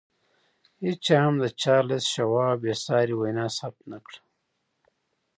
هېچا هم د چارلیس شواب بې ساري وینا ثبت نه کړه